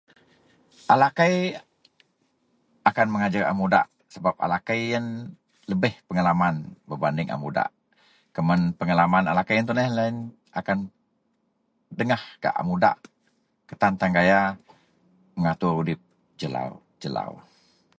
A lakei akan mengajar a mudak sebab a lakei iyen lebeh pengalaman bebanding a mudak keman pengalaman a lakei iyen tuneh loyen akan pedengah gak a mudak kutan tan gaya mengatur udip jelau-jelau.